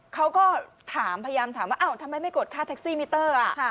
เขาก็ถามพยายามถามว่าอ้าวทำไมไม่กดค่าแท็กซี่มิเตอร์